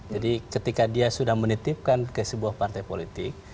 jadi ketika dia sudah menitipkan ke sebuah partai politik